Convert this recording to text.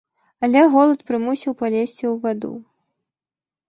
Але голад прымусіў палезці ў ваду.